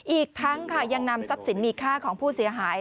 อีกทั้งค่ะยังนำทรัพย์สินมีค่าของผู้เสียหาย